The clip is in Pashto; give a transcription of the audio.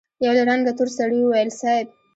يوه له رنګه تور سړي وويل: صېب!